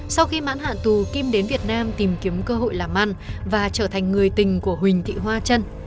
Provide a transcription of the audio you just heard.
sau khi mãn hạn tù kim đến việt nam tìm kiếm cơ hội làm ăn và trở thành người tình của huỳnh thị hoa chân